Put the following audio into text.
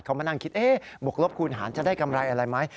เขามานั่งคิดบวกลบคูณหารจะได้กำไรอะไรไหม